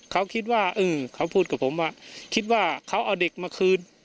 เขาคิดว่าเออเขาพูดกับผมว่าคิดว่าเขาเอาเด็กมาคืน